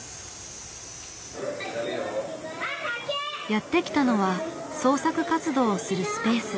やって来たのは創作活動をするスペース。